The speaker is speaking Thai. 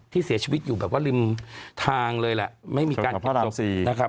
ที่เสียชีวิตอยู่ริมทางเลยแหละ